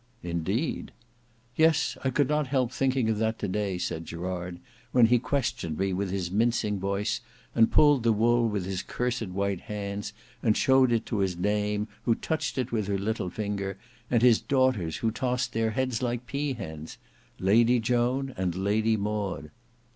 "Indeed!" "Yes: I could not help thinking of that to day," said Gerard, "when he questioned me with his mincing voice and pulled the wool with his cursed white hands and showed it to his dame, who touched it with her little finger; and his daughters who tossed their heads like pea hens—Lady Joan and Lady Maud.